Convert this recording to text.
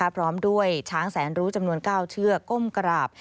พร้อมด้วยช้างแสนรู้จำนวน๙เชือกก้มกราบ